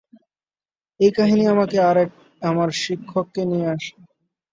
এই কাহিনী আমাকে আর আমার শিক্ষককে নিয়ে।